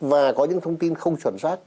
và có những thông tin không chuẩn xác